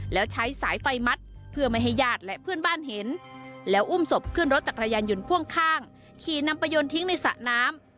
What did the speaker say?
แล้วใช้สายไฟมัดเพื่อไม่ให้ญาติและเพื่อนบ้านเห็นแล้วอุ้มศพขึ้นรถจักรยานยนต์พ่วงข้างขี่นำไปยนทิ้งในสระน้ำ